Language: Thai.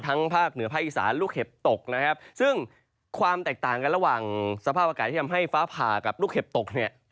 ภาคเหนือภาคอีสานลูกเห็บตกนะครับซึ่งความแตกต่างกันระหว่างสภาพอากาศที่ทำให้ฟ้าผ่ากับลูกเห็บตกเนี่ย